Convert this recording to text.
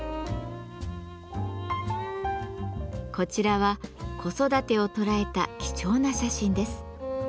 こちらは子育てを捉えた貴重な写真です。